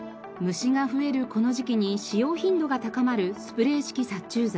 虫が増えるこの時期に使用頻度が高まるスプレー式殺虫剤。